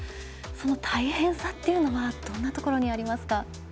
その大変さというのはどんなところにありますか？